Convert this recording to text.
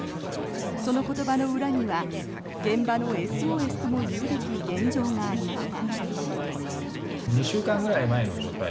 その言葉の裏には現場のＳＯＳともいうべき現状がありました。